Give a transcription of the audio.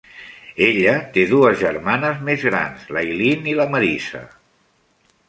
Ella té dues germanes més grans, l'Aileen i la Marisa.